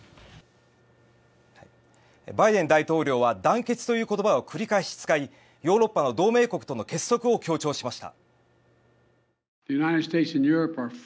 バイデン大統領は団結という言葉を繰り返し使いヨーロッパの同盟国との結束を強調しました。